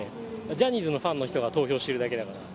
ジャニーズのファンの人が投票してるだけだから。